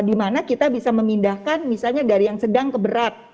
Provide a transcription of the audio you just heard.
dimana kita bisa memindahkan misalnya dari yang sedang ke berat